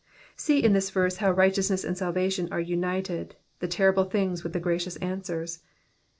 See in this verse how righteousness and salvation are united, the terrible things with the gracious answers.